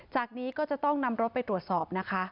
จากนี้ก็จะต้องนำรถไปตรวจสอบนะคะ